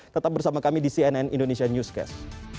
tetap bersama kami di cnn indonesia newscast